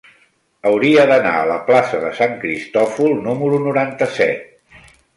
Hauria d'anar a la plaça de Sant Cristòfol número noranta-set.